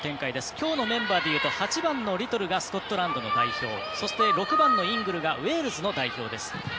きょうのメンバーで言うと８番のリトルがスコットランドの代表そして６番のイングルがウェーブルの選手です。